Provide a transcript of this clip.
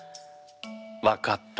分かった。